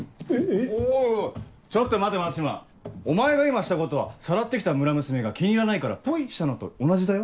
おいおいちょっと待て松島お前が今したことはさらって来た村娘が気に入らないからポイしたのと同じだよ。